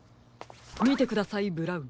みてくださいブラウン。